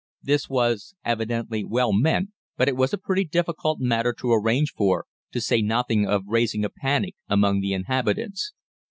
This was evidently well meant, but it was a pretty difficult matter to arrange for, to say nothing of raising a panic among the inhabitants.